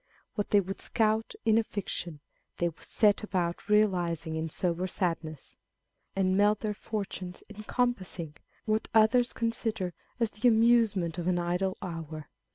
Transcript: What they would scout in a fiction, they would set about real ising in sober sadness, and melt their fortunes in com passing what others consider as the amusement of an idle ' hour.